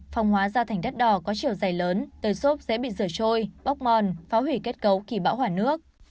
phong hóa ra thành đất đỏ có chiều dài lớn tời sốt dễ bị rửa trôi bóc mòn phá hủy kết cấu kỳ bão hỏa nước